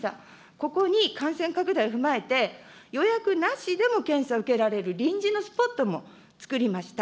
ここに感染拡大を踏まえて、予約なしでも検査受けられる臨時のスポットも作りました。